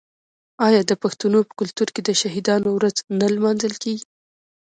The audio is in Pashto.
آیا د پښتنو په کلتور کې د شهیدانو ورځ نه لمانځل کیږي؟